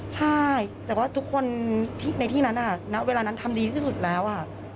ใช่แต่ว่าทุกคนในที่นั้นณเวลานั้นทำดีที่สุดแล้ว